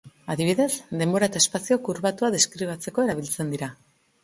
Adibidez, denbora eta espazio kurbatua deskribatzeko erabiltzen dira.